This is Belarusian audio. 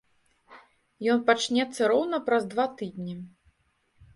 Ён пачнецца роўна праз два тыдні.